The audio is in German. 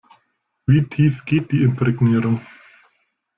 Wie tief geht die Imprägnierung?